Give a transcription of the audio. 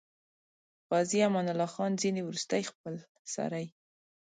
عازي امان الله خان ځینې وروستۍخپلسرۍ.